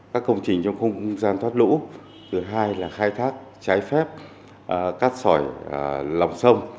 các công trình trong không gian thoát lũ thứ hai là khai thác trái phép cát sỏi lòng sông